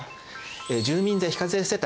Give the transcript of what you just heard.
住民税非課税世帯